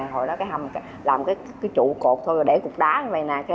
hồi đó cái hầm làm cái trụ cột thôi rồi để cục đá như vầy nè